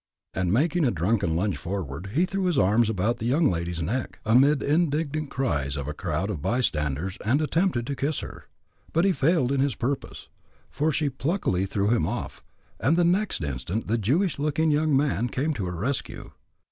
And, making a drunken lunge forward, he threw his arms about the young lady's neck, amid indignant cries of a crowd of bystanders, and attempted to kiss her. But he failed in his purpose, for she pluckily threw him off, and the next instant the Jewish looking young man came to her rescue.